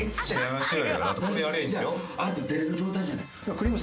いやあんた出れる状態じゃない。